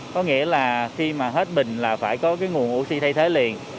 có nghĩa là khi mà hết bình là phải có cái nguồn oxy thay thế liền